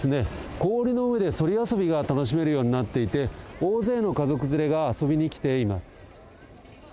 氷の上でそり遊びが楽しめるようになっていて、大勢の家族連れが遊びに来ています。